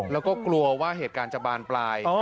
แล้วก็กลัวว่าเหตุการณ์จะบานปลาย